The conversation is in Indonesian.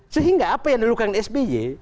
sehingga apa yang dilakukan sby